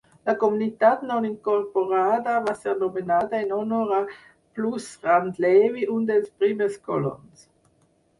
La comunitat no incorporada va ser nomenada en honor a Plus Rand Levi, un dels primers colons.